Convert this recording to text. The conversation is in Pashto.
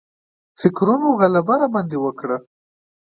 فکرونو غلبه راباندې وکړه.